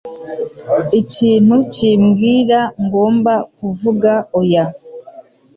Ikintu kimbwira ngomba kuvuga oya.